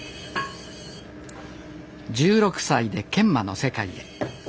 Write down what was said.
１６歳で研磨の世界へ。